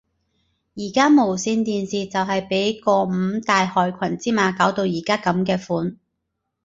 而家無線電視就係被嗰五大害群之馬搞到而家噉嘅款